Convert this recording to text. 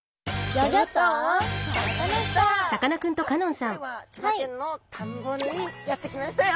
さあ今回は千葉県の田んぼにやって来ましたよ。